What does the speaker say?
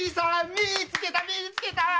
見いつけた見いつけた！